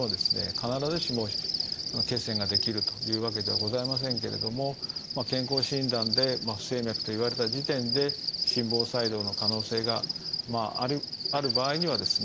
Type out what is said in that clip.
必ずしも血栓が出来るというわけではございませんけれども健康診断で不整脈と言われた時点で心房細動の可能性がある場合にはですね